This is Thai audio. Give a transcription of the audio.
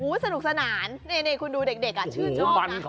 สนุกสนานนี่คุณดูเด็กชื่นชอบนะ